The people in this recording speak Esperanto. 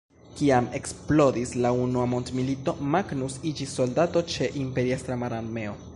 Kiam eksplodis la Unua mondmilito Magnus iĝis soldato ĉe la Imperiestra mararmeo.